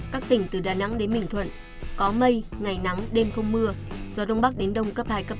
các tỉnh từ đà nẵng đến bình thuận có mây ngày nắng đêm không mưa gió đông bắc đến đông cấp hai cấp bốn